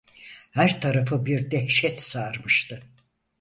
Her tarafı bir dehşet sarmıştı.